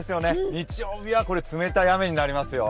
日曜日は冷たい雨になりますよ。